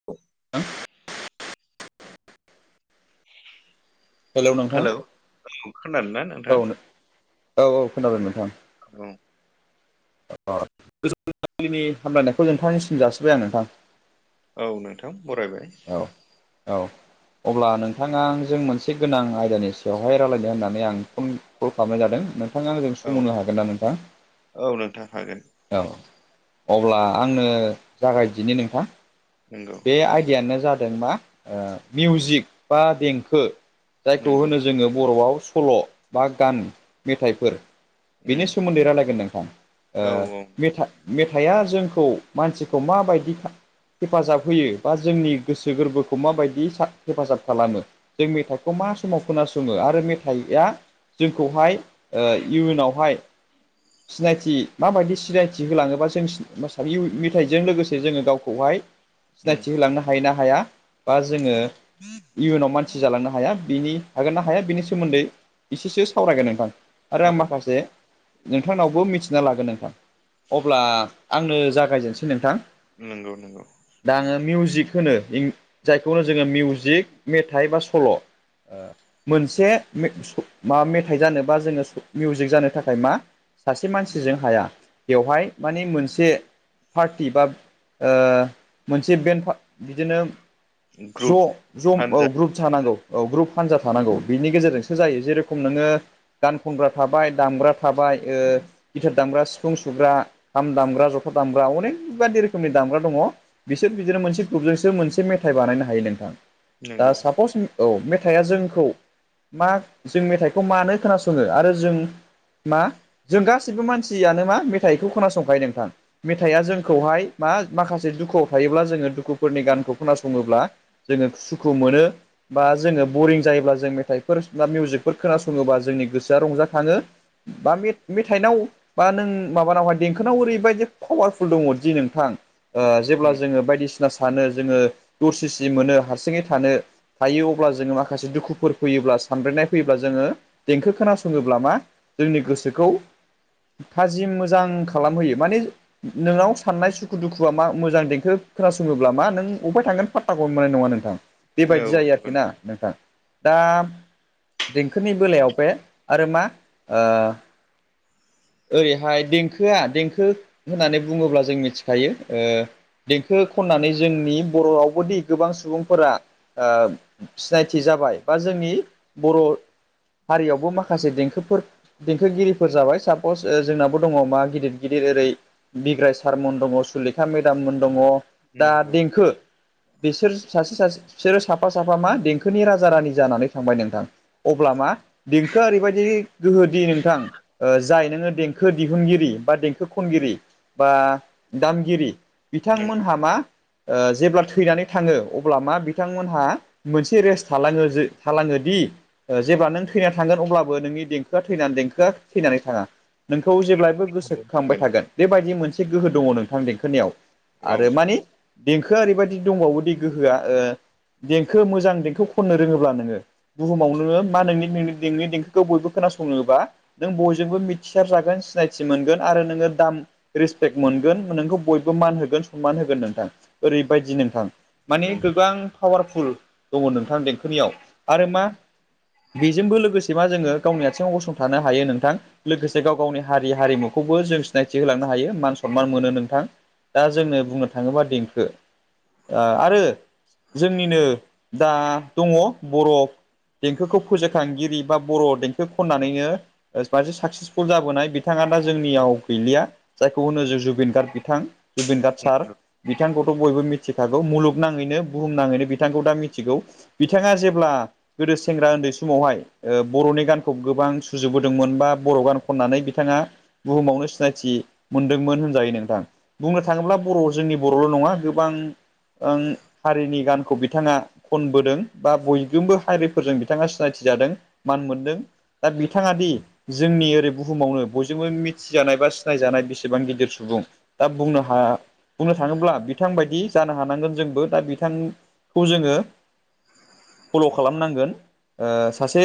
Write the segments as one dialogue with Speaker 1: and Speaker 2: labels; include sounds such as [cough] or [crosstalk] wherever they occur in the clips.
Speaker 1: [inaudible]
Speaker 2: Hello खोनादों ना
Speaker 1: औ
Speaker 2: नोंथाङा
Speaker 1: औऔ खोनादों नोंथां।
Speaker 2: औ
Speaker 1: गोजोन फुंबिलिनि हामलायनायखौ नोंथांनिसिम जासिबाय आं नोंथां
Speaker 2: औ नोंथां बरायबाय
Speaker 1: औ-औ अब्ला नोंथाङा जों मोनसे गोनां आयदानि सायावहाय रायलायनो होननानै आं फन कल खालामनाय जादों। नोंथाङा आंजों
Speaker 2: औ
Speaker 1: सम होनो हागोनना नोंथां
Speaker 2: औ नोंथां हागोन
Speaker 1: औ अब्ला आंनो जागायदिनो नोंथां।
Speaker 2: नंगौ
Speaker 1: बे आयदियानो जादों मा ओ मिउजिक बा देंखो। जायखौ
Speaker 2: नंगौ
Speaker 1: होनो जोङो बर'आव सल' बा गान मेथाइफोर बेनि
Speaker 2: उम
Speaker 1: सोमोन्दै रायलायगोन नोंथां
Speaker 2: औ
Speaker 1: ओ
Speaker 2: औ नोंथां
Speaker 1: मेथाइ मेथाइआ जोंखौ मानसिखौ माबायदि हेफाजाब होयो। बा जोंनि गोसो गोरबोखौ माबायदि हेफाजाब खालामो।। जों मेथाइखौ मा समाव खोनासङो आरो मेथाइआ जोंखौहाय ओ इयुनावहाय सिनायथि माबायदि सिनायथि होलाङोबा जों मेथाइजों लोगोसे जोङो गावखौहाय
Speaker 2: उम
Speaker 1: सिनायथि होलांनो हायो ना हाया बा जोङो इयुनाव मा मानसि जालांनो हाया बिनि हागोनना हाया बिनि सोमोन्दै एसेसो सावरायगोन नोंथां। आरो आं
Speaker 2: औ
Speaker 1: माखासे नोंथांनावबो मिथिना लागोन नोंथां अब्ला आंनो जागायजेनसै नोंथां।
Speaker 2: नंगौ नंगौ
Speaker 1: दा आङो मिउजिक होनो जायखौनो जोङो मिउजिक मेथाइ बा सल' मोनसे माबा मेथाइ जानो बा जोङो मिउजिक जानो थाखाय मा सासे मानसिजों हाया बेवहाय माने मोनसे पार्टि बा ओ मोनसे बेन्ड बिदिनो ज'
Speaker 2: ग्रुप
Speaker 1: ज' औ
Speaker 2: हानजा
Speaker 1: ग्रुप थानांगौ। औ ग्रुप हानजा थानांगौ बिनि गेजेरजोंसो जायो जेरेखम नोङो गान खनग्रा थाबाय दामग्रा थाबाय ओ गिथार दामग्रा सिफुं सुग्रा खाम दामग्रा जथा दामग्रा अनेक बायदि रोखोमनि दामग्रा दङ। बिसोर बिदिनो मोनसे ग्रुपजोंसो मोनसे मेथाइ बानायनो हायो नोंथां दा
Speaker 2: नंगौ
Speaker 1: सापस औ मेथाइआ जोंखौ मा जों मेथाइखौ मानो खोनासङो आरो जों मा जों गासिबो मानसियानो मा मेथाइखौ खोनासंखायो नोंथां। मेथाइआ जोंखौहाय मा माखासे दुखुआव थायोब्ला जोङो दुखुफोरनि गानखौ खोनासङोब्ला जोङो सुखु मोनो। बा जोङो बरिं जायोब्ला जों मेथाइफोर बा मिउजिकफोर खोनासङोबा जोंनि गोसोआ रंजाखाङो। बा मे-मेथाइनाव बा नों माबानावहाय देंखोनाव ओरैबायदि पावारफुल दङदि नोंथां जेब्ला
Speaker 2: उम
Speaker 1: जोङो बायदिसिना सानो जोङो दरसि सि मोनो हारसिङै थानो थायो अब्ला जोङो माखासे दुखुफोर फैयोब्ला सानब्रेनाय फैयोब्ला जोङो देंखो खोनासङोब्ला मा जोंनि गोसोखौ थाजिम मोजां खालामहोयो माने नोंनाव साननाय सुखु दुखुआ मा मोजां खोनासङोब्ला मा नों अफाय थांगोन पाताखौनो मोननाय नङा नोंथां
Speaker 2: औ
Speaker 1: बेबायदि जायो
Speaker 2: नंगौ
Speaker 1: आरोखि ना नोंथां दा देंखोनि बेलायाव बे आरो मा ओ ओरैहाय देंखोआ देंखो होनानै बुङोब्ला जों मिथिखायो ओ देंखो खननानै जोंनि बर' रावबोदि गोबां सुबुंफोरा आ सिनायथि जाबाय बा जोंनि बर' हारियावबो माखासे देंखोफोर देंखोगिरिफोर जाबाय सापस जोंनाबो दङ मा गिदिर गिदिर ओरै बिग्राय सारमोन दङ सुलेखा मेदाममोन दङ दा
Speaker 2: नंगौ
Speaker 1: देंखो बिसोर सासे सासे बिसोरो साफा साफा मा देंखोनि राजा रानि जानानै थांबाय नोंथां। अब्ला मा देंखोआ ओरैबायदि गोहोदि नोंथां जाय ओ नोङो देंखो देंखो दिहुनगिरि बा देंखो खनगिरि बा दामगिरि
Speaker 2: नों
Speaker 1: बिथांमोनहा मा ओ जेब्ला थैनानै थाङो अब्ला मा बिथांमोनहा मोनसे रेस्ट थालाङो थालाङो दि ओ जेब्ला नों थैनानै थांगोन अब्लाबो नोंनि देंखोआ थै देंखोआ थैनानै थाङा। नोंखौ जेब्लायबो गोसोखांबाय
Speaker 2: हागोन
Speaker 1: थागोन बेबायदि मोनसे गोहो दङ नोंथां देंखोनियाव।
Speaker 2: औ
Speaker 1: आरो मानि देंखोआ ओरैबायदि दंबावो दि गोहोआ ओ‌ देंखो मोजां देंखो खननो रोङोब्ला नोङो बुहुमाव नोङो मा नोंनि नोंनि नोंनि देंखोखौ बयबो खोनासङोबा नों बयजोंबो मिथिसार जागोन सिनायथि मोनगोन आरो नोङो दाम रिसपेक्ट मोनगोन। नोंखौ बयबो मान होगोन सनमान होगोन नोंथां ओरैबायदि नोंथां। माने
Speaker 2: नंगौ
Speaker 1: गोबां पावारफुल दङ नोंथां देंखोनियाव आरो मा बेजोंबो लोगोसे मा जोङो गावनि आथिङाव गसंथानो हायो नोंथां लोगोसे गाव गावनि हारि हारिमु खौबो जों सिनायथि होलांनो हायो मान सनमान मोनो नोंथां। दा जोंनो बुंनो थाङोब्ला देंखो आ आरो जोंनिनो दा दङ बर' देंखोखौ फोजाखांगिरि बा बर' देंखो खननानैनो ओ मारसे साकसेसफुल जाबोनाय बिथाङा दा जोंनियाव गैलिया जायखौ होनो जों जुबिन गार्ड बिथां जुबन गार्ड सार। बिथांखौथ' बयबो मिथिखागौ मुलुगनाङैनो बुहुम नाङैनो बिथांखौ दा मिथिगौ। बिथाङा जेब्ला गोदो सेंग्रा उन्दै समावहाय ओ बर'नि गानखौ गोबां सुजुबोदोंमोन बा बर' गान खननानै बिथाङा बुहुमावनो सिनायथि मोनदोंमोन होनजायो नोंथां। बुंनो थाङोब्ला बर' जोंनि बर'ल' नङा गोबां-बां हारिनि गान खौ बिथाङा खनबोदों बा बयजोंबो हारिफोरजों बिथाङा सिनायथि जादों मान मोनदों। दा बिथाङा दि जोंनि ओरै बुहुमावनो बयजोंबो मिथिजानाय बा सिनायजानाय बेसेबां गिदिर सुबुं दा बुंनो हा बुंनो थाङोब्ला बिथांबायदि जानो हानांगोन जोंबो दा बिथांखौ जोङो फल' खालामनांगोन। ओ सासे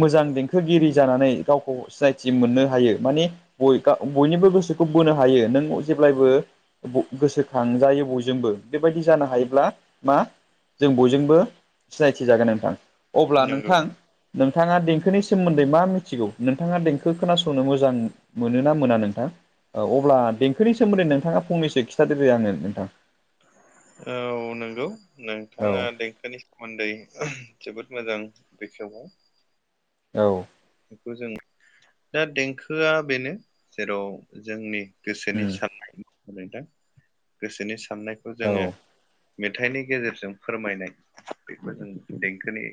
Speaker 1: मोजां देंखोगिरि जानानै गावखौ सिनायथि मोननो हायो माने बय गा बयनिबो गोसोखौ बोनो हायो। नों जेब्लायबो ब गोसोखांजायो बयजोंबो बेबायदि जानो हायोब्ला मा जों बयजोंबो सिनायथि जागोन नोंथां। अब्ला
Speaker 2: नंगौ
Speaker 1: नोंथां नोंथाङा देंखोनि सोमोन्दै मा मिथिगौ नोंथाङा देंखो खोनासंनो मोजां मोनोना मोना नोंथां? औ अब्ला देंखोनि सोमोन्दै नोंथाङा फंनैसो खिथादोदे आनों नोंथां।
Speaker 2: औ नंगौ
Speaker 1: औ
Speaker 2: नोंथाङा देंखोनि सोमोनदै जोबोद मोजां बेखेवबाय।
Speaker 1: औ।
Speaker 2: बेखौ जों दा देंखोआ बेनो जेराव जोंनि गोसोनि
Speaker 1: उम
Speaker 2: साननाय नोंथां गोसोनि साननायखौ
Speaker 1: औ
Speaker 2: जोङो मेथाइनि गेजेरजों फोरमायनाय बेखौ जों देंखोनि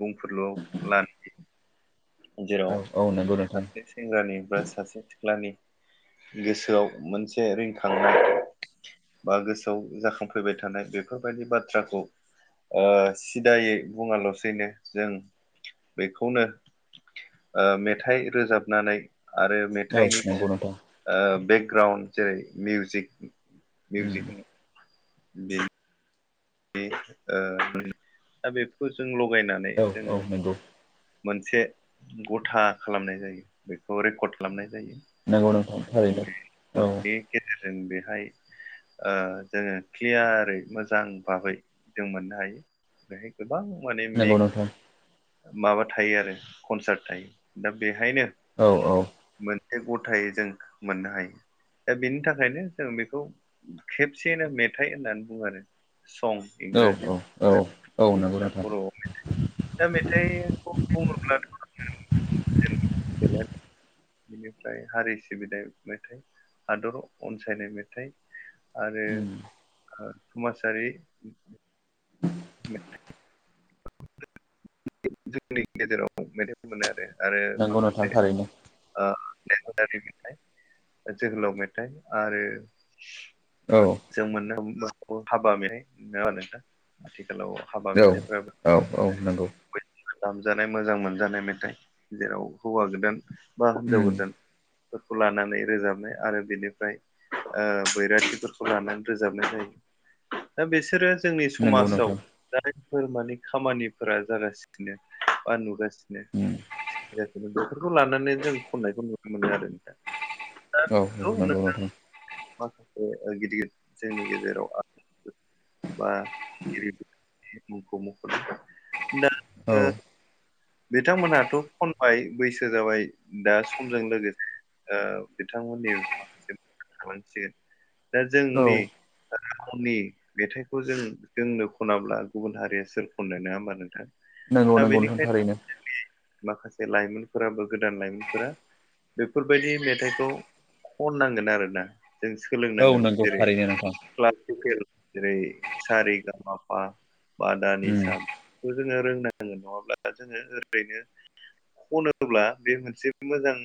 Speaker 2: बुंफोरलुआव लानो जेराव
Speaker 1: औ औ नंगौ नोंथां
Speaker 2: सासे सेंग्रानि बा सासे सिख्लानि गोसोआव मोनसे रिखांनाय बा गोसोआव जाखांफैबाय थानाय बेफोरबादि बाथ्राखौ ओ सिदायै बुङाल'सैनो जों बेखौनो ओ मेथाइ रोजाबनानै आरो
Speaker 1: औ
Speaker 2: मेथाइनि
Speaker 1: नंगौ नोंथां
Speaker 2: ओ बेकग्राउन्ड जेरै मिउजिक
Speaker 1: उम
Speaker 2: मिउजिक होनो [unintelligible] ओ दा बेखौ जों लगायनानै
Speaker 1: औ
Speaker 2: जोङो
Speaker 1: औ नंगौ।
Speaker 2: मोनसे गथा खालामनाय जायो बेखौ रेकर्ड खालामनाय जायो।
Speaker 1: नंगौ नोंथां थारैनो औ
Speaker 2: [unintelligible] गेजेरजों बेहाय ओ जोङो क्लियारै मोजां भाबै जों मोननो हायो। बेहाय गोबां माने
Speaker 1: नंगौ
Speaker 2: मेग
Speaker 1: नोंथां
Speaker 2: माबा थायो आरो कनसार्ट थायो। दा बेहायनो
Speaker 1: औ औ।
Speaker 2: मोनसे गथायै जों मोननो हायो। दा बेनि थाखायनो जों बेखौ खेबसेयैनो मेथाइ होननानै बुङो आरो सं
Speaker 1: औ औ
Speaker 2: इंराजियाव
Speaker 1: औ औ नंगौ
Speaker 2: दा
Speaker 1: नोंथां।
Speaker 2: बर'आव दा मेथाइखौ बुङोब्लाथ' [unintelligible] [unintelligible] बिनिफ्राय हारि सिबिनाय मेथाइ हादर अनसायनाय मेथाइ आरो
Speaker 1: उम
Speaker 2: ओ समाजारि [unintelligible] जोंनि गेजेराव मे मोनो आरो आरो
Speaker 1: नंगौ नोंथां
Speaker 2: माखासे
Speaker 1: थारैनो
Speaker 2: नेहदारि मेथाइ जोहोलाव मेथाइ आरो
Speaker 1: औ
Speaker 2: जों मोननो हाबा मोननाय नङा [unintelligible] आथिखालाव हाबा
Speaker 1: औ
Speaker 2: मेथफोरबा
Speaker 1: औ औ नंगौ
Speaker 2: दामजानाय मोजां मोनजानाय मेथाइ जेराव हौवा गोदान बा हिनजाव
Speaker 1: उम
Speaker 2: गोदान फोरखौ लानानै रोजाबना लानानै रोजाबनाय जायो दा बिसोरो जोंनि
Speaker 1: नंगौ
Speaker 2: समाजाव
Speaker 1: नोंथां
Speaker 2: जायफोर माने खामानिफोरा जागासिनो बा नुगासिनो
Speaker 1: उम
Speaker 2: बेफोरखौ लानानै जों खननायखौ नुनो मोनो आरो नोंथां दा
Speaker 1: औ
Speaker 2: बेखौ
Speaker 1: नंगौ नोंथां
Speaker 2: माखासे ओ गिदिर जोंनि गेजेराव बा [unintelligible] मुंखौ मख'नो दा
Speaker 1: औ
Speaker 2: बिथांमोनहाथ' खनबाय बैसो जाबाय दा समजों लोगोसे बिथांमोननि माखासे थालांसिगोन दा
Speaker 1: औ
Speaker 2: जोंनि रावनि मेथाइखौ जों जोंनो खनाब्ला गुबुन हारिया सोर खननो नङा होमबा नोंथां
Speaker 1: नंगौ
Speaker 2: दा
Speaker 1: नंगौ नोंथां
Speaker 2: बेनिखायनो
Speaker 1: थारैनो
Speaker 2: माखासे लाइमोनफोराबो गोदान लाइमोनफोरा बेफोरबायदि मेथाइखौ खननांगोन आरोना जों
Speaker 1: औ
Speaker 2: सोलोंनांगोन
Speaker 1: नंगौ
Speaker 2: जेरै
Speaker 1: थारैनो नोंथां
Speaker 2: क्लासिकेल जेरै स रे गामफा बादानि
Speaker 1: उम
Speaker 2: सा जोङो रोंनांगोन नङाब्ला जोङो ओरैनो खनोब्ला बे मोनसे मोजां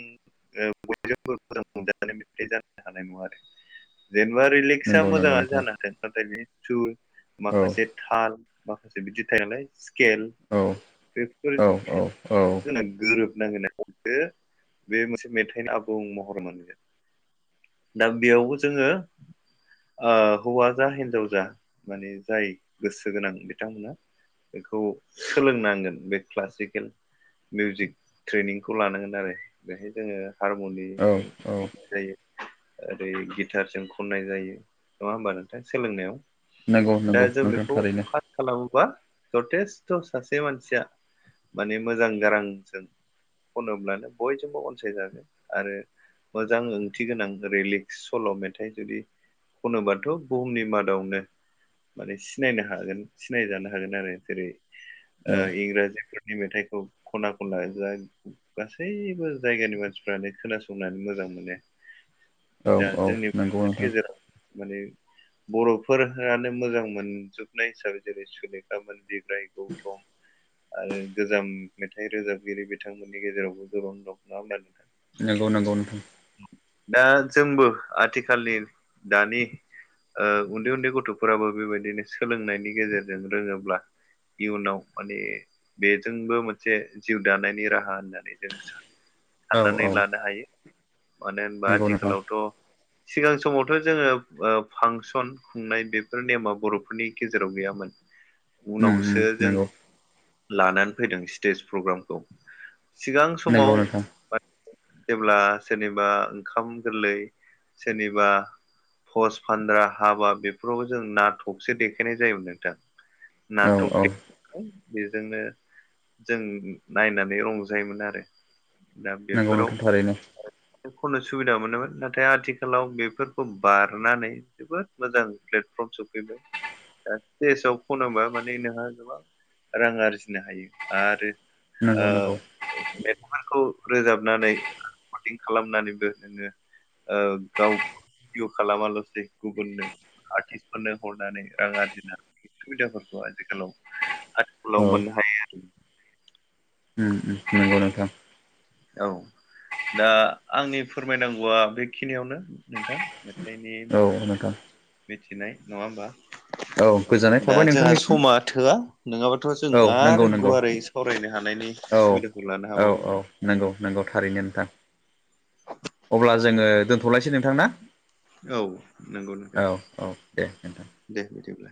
Speaker 2: ओ बयजोंबो [unintelligible] हानाय नङा आरो जेनेबा रिलेक्स आ
Speaker 1: नंगौ नंगौ
Speaker 2: मोजाङानो
Speaker 1: नोंथां
Speaker 2: जानो हाथों नाथाय बे थु
Speaker 1: औ
Speaker 2: माखासे थाल माखासे बिदि थायो नालाय स्केल
Speaker 1: औ
Speaker 2: बेफोर
Speaker 1: औ औ औ
Speaker 2: गोरोबनांगोन बे मोनसे मेथाइनि आबुं महर मोनगोन। दा बेयावबो जोङो हौवा जा हिनजाव जा माने जाय गोसो गोनां बिथांमोना बेखौ सोलोंनांगोन बे क्लासिकेल मिउजिक ट्रेनिंखौ लानांगोन आरो बेहाय जोङो हारमनि
Speaker 1: औ
Speaker 2: जों
Speaker 1: औ
Speaker 2: खम जायो। ओरै गिटारजों खननाय जायो नङा होमबा नोंथां सोलोंनायाव
Speaker 1: नंगौ
Speaker 2: दे
Speaker 1: नंगौ
Speaker 2: जों
Speaker 1: नोंथां
Speaker 2: बेखौ
Speaker 1: थारैनो
Speaker 2: खालामोबा जथेस्थ' सासे मानसिया माने मोजां गारांजों खनोब्लानो बयजोंबो अनसायजागोन आरो मोजां ओंथि गोनां रिलिेक्स सल' मेथाइ जुदि खनोबाथ' बुहुमनि मादावनो माने सिनायनो हागोन सिनायजानो हागोन आरो जेरै
Speaker 1: औ
Speaker 2: ओ इंराजिफोरनि मेथाइखौ खना खनला जा गासैबो जायगानि मानसिफ्रानो खोनासंनानै मोजां मोनो
Speaker 1: औ
Speaker 2: दा
Speaker 1: औ
Speaker 2: जोंनि
Speaker 1: नंगौ नोंथां
Speaker 2: गेजेराव माने बर'फोरानो मोजां मोनजोबनाय हिसाबै जेरै सुलेखा मोन बे ओमफ्राय गौथम आरो गोजाम मेथाइ रोजाबगिरि बिथांमोननि गेजेरावबो गोबां दं नङा होनना नोंथां
Speaker 1: नंगौ नंगौ नोंथां
Speaker 2: दा जोंबो आथिखालनि दानि ओ उन्दै उन्दै गथ'फोराबो बेबायदिनो सोलोंनायनि गेजेरजों रोङोब्ला इयुनाव माने बेजोंबो मोनसे जिउ दानायनि राहा होननानै जों
Speaker 1: औ औ
Speaker 2: साननानै लानो हायो। मानो होनबा
Speaker 1: नंगौ नोंथां
Speaker 2: आथिखालावथ' सिगां समावथ' जोङो ओ फांसन खुंनाय बेफोर नेमा बर'फोरनि गेजेराव गैयामोन।
Speaker 1: उम उम
Speaker 2: उनावसो जों
Speaker 1: नंगौ
Speaker 2: लानानै फैदों स्टेज प्रग्रामखौ सिगां
Speaker 1: नंगौ
Speaker 2: समाव
Speaker 1: नोंथां
Speaker 2: जेब्ला सोरनिबा ओंखाम गोरलै सोरनिबा थस फानद्रा हाबा बेफोरावबो जों ना थबसे देखायनाय जायोमोन नोंथां।
Speaker 1: औ
Speaker 2: नटक
Speaker 1: औ
Speaker 2: दे खाय बेजोंनो जों नायनानै रंजायोमोन आरो
Speaker 1: नंगौ नोंथां थारैनो
Speaker 2: खनो सुबिदा मोनोमोन नाथाय आथिखालाव बेफोरखौ बारनानै जोबोद मोजां प्लेटफर्मसफैबाय द सिटेजाव फनोबा माने नोंहा गोबां रां आरजिनो हायो आरो
Speaker 1: नंगौ
Speaker 2: ओ
Speaker 1: नंगौ
Speaker 2: मेथायफोरखौ रोजाबनानै रेखदिं खालामनानैबो नोङो गाव भडिअ खालामाल'सै गुबुननो आर्टिस्टफोरनो हरनानै रां आरजिना सुबिदाफोरखौ आथिखालाव
Speaker 1: औ
Speaker 2: आथिखलाव मोननो हायो। आरो
Speaker 1: उ उ नंगौ नोंथां
Speaker 2: औ दा आंनि फोरमायनांगौआ बेखिनियावनो नोंथां। मेथाइनि मा
Speaker 1: औ नोंथां
Speaker 2: मिथिनाय नङा होमबा
Speaker 1: औ गोजोननाय
Speaker 2: दा
Speaker 1: थाबाय
Speaker 2: जोंहा
Speaker 1: नोंथांनिसिम
Speaker 2: समा थोआ नङाबाथ' जों
Speaker 1: औ नंगौ
Speaker 2: आरो
Speaker 1: नंगौ
Speaker 2: गुवारै सावरायनो हानायनि
Speaker 1: औ
Speaker 2: सुबिदा लानो
Speaker 1: औ औ
Speaker 2: हाबावौमोन
Speaker 1: नंगौ नंगौ थारैनो नोंथां अब्ला जोङो दोनथ'लायसै नोंथां ना
Speaker 2: औ नंगौ नोंथां
Speaker 1: औ औ दे नोंथां
Speaker 2: दे बिदिब्ला